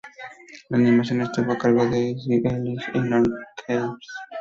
La animación estuvo a cargo de Izzy Ellis y Norm McCabe.